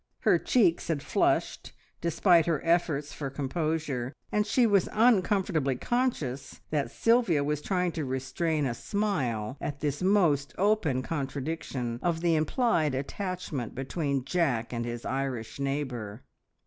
Her cheeks had flushed despite her efforts for composure, and she was uncomfortably conscious that Sylvia was trying to restrain a smile at this most open contradiction of the implied attachment between Jack and his Irish neighbour.